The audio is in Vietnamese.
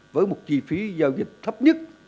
với một chi phí giao dịch thấp nhất